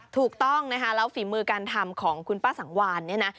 ถูกต้องนะคะแล้วฝีมือการทำของคุณป้าสังวานเนี่ยนะ